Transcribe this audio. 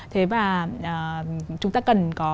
thế và chúng ta cần có